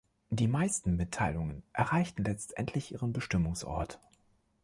Die meisten Mitteilungen erreichten letztendlich Ihren Bestimmungsort.